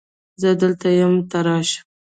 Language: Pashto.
زه دلته یم ته راشه